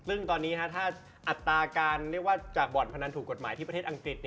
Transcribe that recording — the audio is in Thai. ซึ่งตอนนี้ถ้าอัตราการเรียกว่าจากบ่อนพนันถูกกฎหมายที่ประเทศอังกฤษ